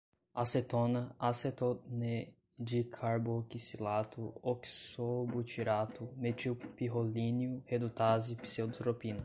acetona, acetonedicarboxilato, oxobutirato, metilpirrolínio, redutase, pseudotropina